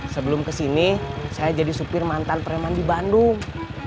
sebelum kesini saya jadi supir mantan preman di bandung